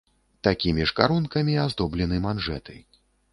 Такімі ж карункамі аздоблены манжэты.